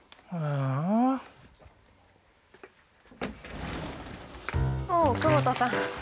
ああ久保田さん。